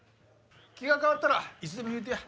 気が変わったらいつでも言うてや。